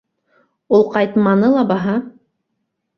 Ул ҡайтманы ла баһа.